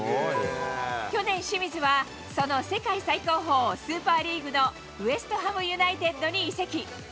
去年、清水はその世界最高峰、スーパーリーグのウエストハムユナイテッドに移籍。